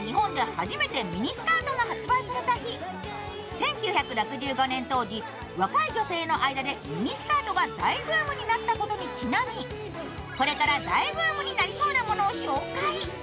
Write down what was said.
１９６５年当時、若い女性の間でミニスカートが大ブームになったことにちなみこれから大ブームになりそうなものを紹介。